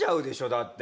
だって。